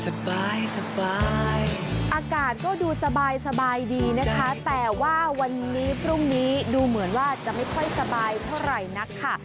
สบายอากาศก็ดูสบายสบายดีนะคะแต่ว่าวันนี้พรุ่งนี้ดูเหมือนว่าจะไม่ค่อยสบายเท่าไหร่นักค่ะ